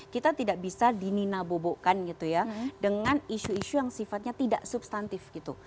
kita tidak bisa dininabobokan gitu ya dengan isu isu yang sifatnya tidak substantif gitu